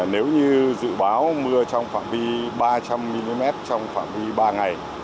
nếu như dự báo mưa trong phạm vi ba trăm linh mm trong phạm vi ba ngày